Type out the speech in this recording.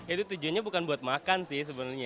itu tujuannya bukan buat makan sih sebenarnya